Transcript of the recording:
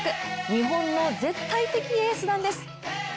日本の絶対的エースなんです。